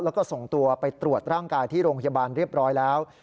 แล้วก็ส่งตัวไปตรวจร่างกายที่โรงพยาบาลเรียบร้อยแล้ว